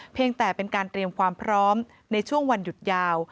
แต่เป็นการเตรียมความพร้อมในช่วงวันหยุดยาว